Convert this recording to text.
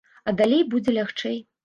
А далей будзе лягчэй.